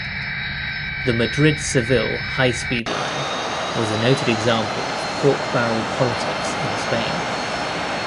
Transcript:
The Madrid-Seville high-speed line was a noted example of pork barrel politics in Spain.